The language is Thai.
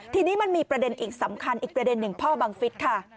ทีนี้มันมีประเด็นอีกสำคัญอีกประเด็นหนึ่งพ่อบังฟิศค่ะ